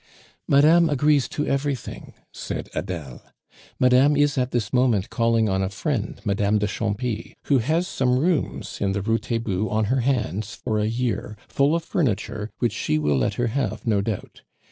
"Madame agrees to everything," said Adele. "Madame is at this moment calling on a friend, Madame de Champy, who has some rooms in the Rue Taitbout on her hands for a year, full of furniture, which she will let her have, no doubt.